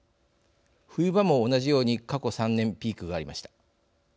冬場も同じように過去３年、ピークがありました。